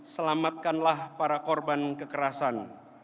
selamatkanlah para korban kekerasan